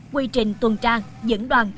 quy trình tuần tra dẫn đoàn